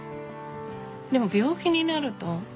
でも病気になると。